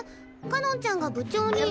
かのんちゃんが部長に。